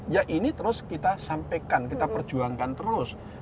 ya ini terus kita sampaikan kita perjuangkan terus